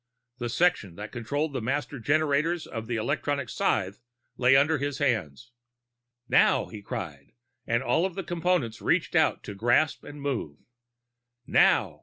The section that controlled the master generators of the electronic scythe lay under his hands. "Now!" he cried, and all of the Components reached out to grasp and move. "Now!"